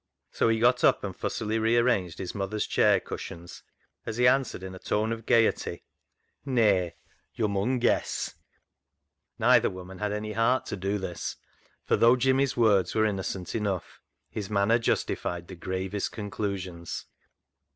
So he got up and fussily rearranged his mother's chair cushions as he answered, in a tone of gaiety —" Nay ; yo' mun guess." Neither woman had any heart to do this, for 90 CLOG SHOP CHRONICLES though Jimmy's words were innocent enough, his manner justified the gravest conclusions.